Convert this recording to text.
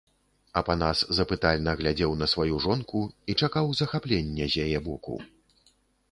Апанас запытальна глядзеў на сваю жонку і чакаў захаплення з яе боку.